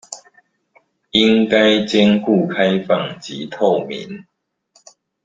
應該兼顧開放及透明